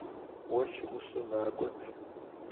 Уэ си гъусэу накӀуэт.